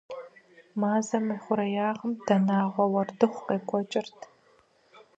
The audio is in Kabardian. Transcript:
Мазэм и хъуреягъым дэнагъуэ уэрдыхъу къекӀуэкӀырт.